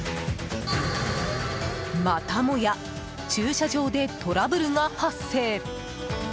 またもや駐車場でトラブルが発生。